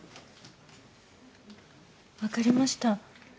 分かりました。